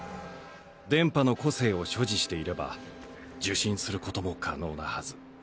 電波の個性を所持していれば受信する事も可能なハズ。